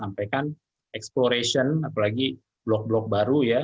yang meningkatkan produksi ekspor tadi yang saya sampaikan exploration apalagi blok blok baru ya